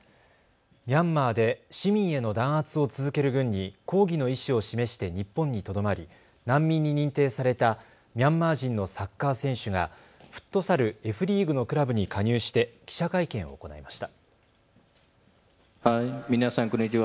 ミャンマーで市民への弾圧を続ける軍に抗議の意思を示して日本にとどまり難民に認定されたミャンマー人のサッカー選手がフットサルＦリーグのクラブに加入して記者会見を行いました。